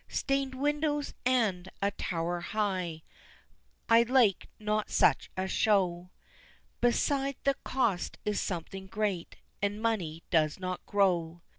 Stained windows and a tower high I like not such a show, Beside the cost is something great, and money does not grow.